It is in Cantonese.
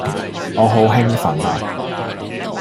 我好興奮呀